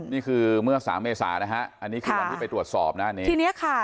นี่คือเมื่อสามเมษานะฮะอันนี้คือวันที่ไปตรวจสอบหน้านี้ทีเนี้ยค่ะ